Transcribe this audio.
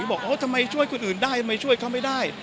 บอกทำไมช่วยคนอื่นได้ทำไมช่วยเขาไม่ได้